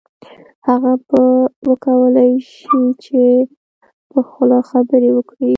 هغه به وکولای شي چې په خوله خبرې وکړي